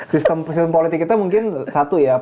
sistem presiden politik kita mungkin satu ya